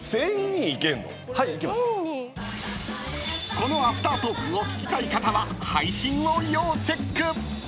［このアフタートークを聞きたい方は配信を要チェック］